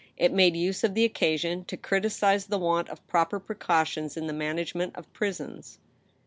It made use of the occasion to criticise the want of proper precautions in the management of prisons.